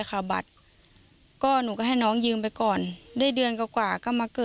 ก็อยากให้ชาวบนทุกคนนึงเข้าใจค่ะ